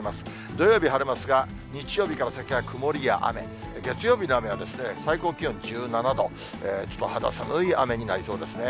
土曜日、晴れますが、日曜日から先は曇りや雨、月曜日の雨は、最高気温１７度、ちょっと肌寒い雨になりそうですね。